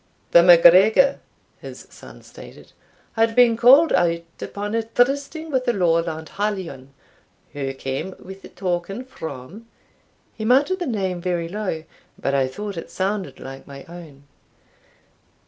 "The MacGregor," his son stated, "had been called out upon a trysting with a Lowland hallion, who came with a token from" he muttered the name very low, but I thought it sounded like my own.